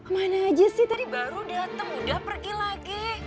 mana aja sih tadi baru datang udah pergi lagi